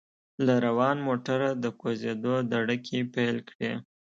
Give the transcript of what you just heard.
له روان موټره د کوزیدو دړکې پېل کړې.